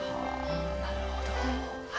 なるほど。